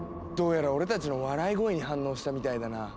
どうやら俺たちの笑い声に反応したみたいだな。